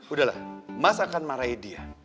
udah lah mas akan marahi dia